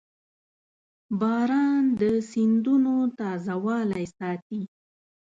• باران د سیندونو تازهوالی ساتي.